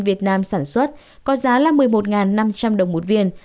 việt nam sản xuất có giá là một mươi một năm trăm linh đồng một viên